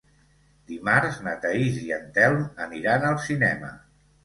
Dimarts na Thaís i en Telm aniran al cinema.